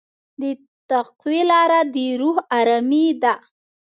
د تقوی لاره د روح ارامي ده.